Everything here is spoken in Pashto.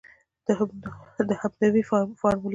د همدوی فارموله وه.